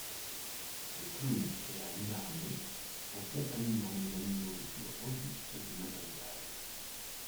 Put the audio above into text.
Le Clown créa une armée en contaminant les animaux les plus robustes de Madrigal.